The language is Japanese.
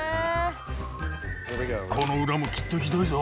この裏もきっとひどいぞ。